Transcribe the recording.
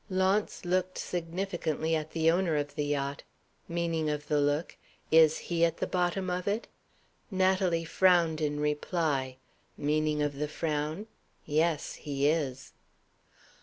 Launce looked significantly at the owner of the yacht (meaning of the look, "Is he at the bottom of it?"). Natalie frowned in reply (meaning of the frown, "Yes, he is").